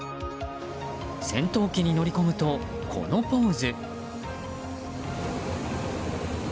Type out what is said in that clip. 戦闘機に乗り込むと、このポーズ。